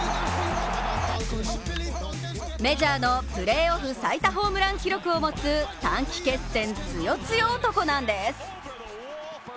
メジャーのプレーオフ最多ホームラン記録を持つ短期決戦つよいよ男なんです。